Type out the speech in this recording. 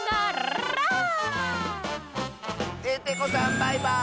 バイバーイ！